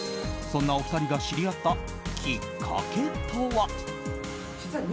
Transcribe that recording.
そんなお二人が知り合ったきっかけとは？